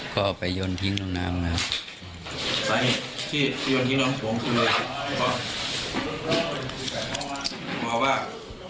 ก็เอาไปยนต์ทิ้งลงน้ำนะครับ